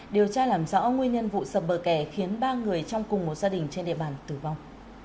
điều tra làm rõ nguyên nhân vụ sập bờ kè khiến ba người trong cùng một gia đình trên địa bàn tử vong